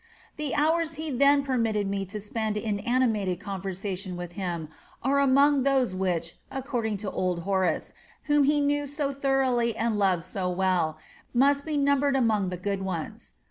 The hours he then permitted me to spend in animated conversation with him are among those which, according to old Horace, whom he know so thoroughly and loved so well, must be numbered among the 'good ones'.